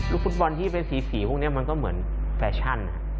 ฟุตบอลที่เป็นสีพวกนี้มันก็เหมือนแฟชั่น